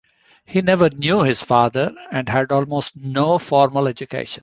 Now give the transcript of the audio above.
He never knew his father and had almost no formal education.